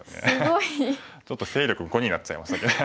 ちょっと勢力５になっちゃいましたね。